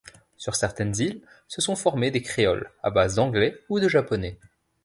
Sur certaines îles se sont formés des créoles, à base d'anglais ou de japonais.